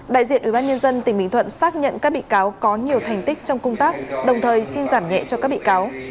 đại diện ubnd tỉnh bình thuận xác nhận các bị cáo có nhiều thành tích trong công tác đồng thời xin giảm nhẹ cho các bị cáo